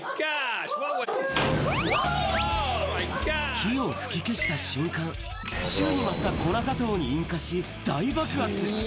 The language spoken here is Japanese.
火を吹き消した瞬間、宙に舞った粉砂糖に引火し、大爆発。